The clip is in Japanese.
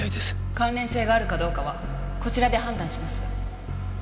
関連性があるかどうかはこちらで判断します。